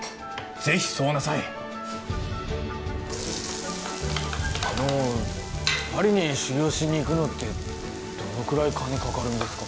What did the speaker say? ぜひそうなさいあのパリに修業しに行くのってどのくらい金かかるんですか？